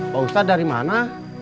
pak ustadz dari mana